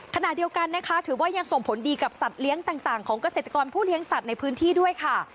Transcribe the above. ขณะเดียวกันนะคะถือว่ายังส่งผลดีกับสัตว์เลี้ยงต่างของเกษตรกรผู้เลี้ยงสัตว์ในพื้นที่ด้วยค่ะ